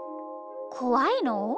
こわいの？